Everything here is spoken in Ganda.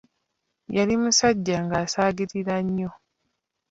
Yali musajja ng'asaagirira nnyo.